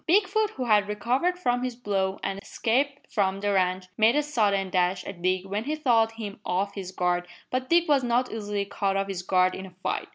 Bigfoot, who had recovered from his blow and escaped from the ranch, made a sudden dash at Dick when he thought him off his guard, but Dick was not easily caught off his guard in a fight.